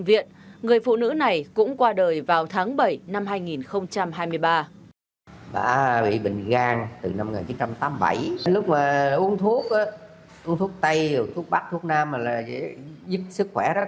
trong bệnh viện người phụ nữ này cũng qua đời vào tháng bảy năm hai nghìn hai mươi ba